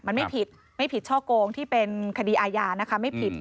มันไม่ผิดไม่ผิดช่อกงที่เป็นคดีอายานนะคะ